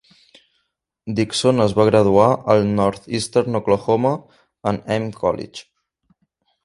Dickson es va graduar al Northeastern Oklahoma A and M College.